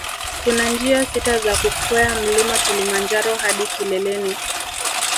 Kuna njia sita za kukwea mlima Kilimanjaro hadi kileleni